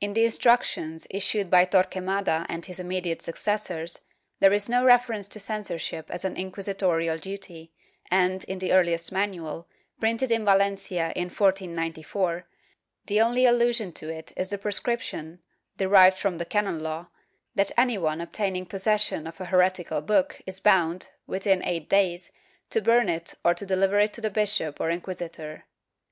In the Instructions issued by Torquemada and his immediate suc cessors, there is no reference to censorship as an inquisitorial duty and, in the earhest manual, printed in Valencia in 1494, the only allusion to it is the prescription, derived from the canon law, that any one obtaining possession of an heretical book is bound, within eight days, to burn it or to dehver it to the bishop or inquisitor.